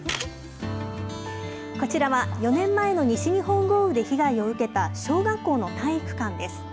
こちらは、４年前の西日本豪雨で被害を受けた、小学校の体育館です。